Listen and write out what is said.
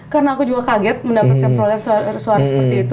karena aku juga kaget mendapatkan perolehan suara seperti itu